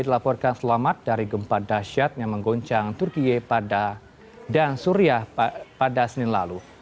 dilaporkan selamat dari gempa dasyat yang menggoncang turkiye pada dan suriah pada senin lalu